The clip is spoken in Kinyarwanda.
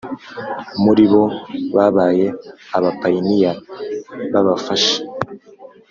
muri bo babaye abapayiniya b abafasha